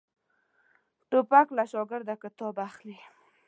توپک له شاګرده کتاب اخلي.